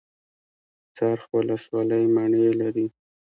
څرخ ولسوالۍ مڼې لري؟